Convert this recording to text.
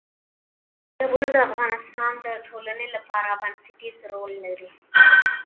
سیلابونه د افغانستان د ټولنې لپاره بنسټيز رول لري.